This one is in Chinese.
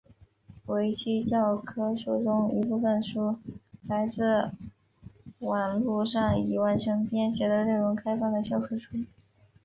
维基教科书中一部分书来自网路上已完成编写的内容开放的教科书。